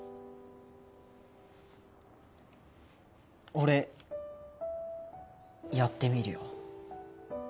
俺やってみるよ。